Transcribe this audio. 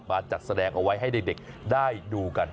จัดแสดงเอาไว้ให้เด็กได้ดูกัน